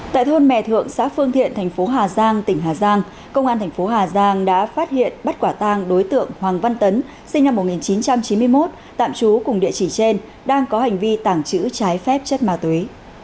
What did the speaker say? tại thôn mè thượng xã phương thiện tp hà giang tỉnh hà giang công an tp hà giang đã phát hiện bắt quả tang đối tượng hoàng văn tấn sinh năm một nghìn chín trăm chín mươi một tạm trú cùng địa chỉ trên đang có hành vi tảng trữ trái phép chất ma túy